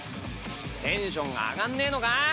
テンションが上がんねぇのか？